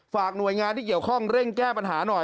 หน่วยงานที่เกี่ยวข้องเร่งแก้ปัญหาหน่อย